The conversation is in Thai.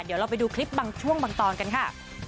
เดี๋ยวเราไปดูคลิปบางช่วงบางตอนกันค่ะ